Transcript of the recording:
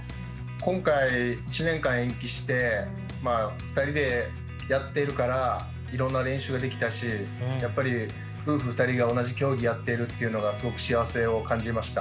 今回１年間延期して２人でやっているからいろんな練習ができたしやっぱり夫婦２人が同じ競技やっているっていうのがすごく幸せを感じました。